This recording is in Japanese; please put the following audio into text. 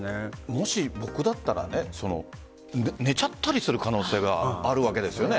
もし、僕だったら寝ちゃったりする可能性があるわけですよね。